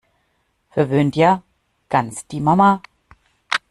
Verwöhnt ja - ganz die Mama!